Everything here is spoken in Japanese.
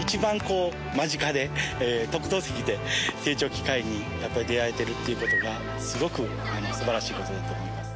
一番間近で特等席で成長機会にやっぱり出会えてるっていう事がすごく素晴らしい事だと思います。